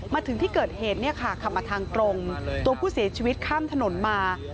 มาถึงที่เกิดเหตุเนี่ยค่ะขับมาทางตรงตัวผู้เสียชีวิตข้ามถนนมา